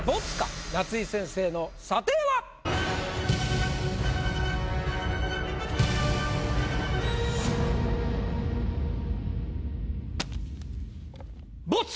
夏井先生の査定は⁉ボツ！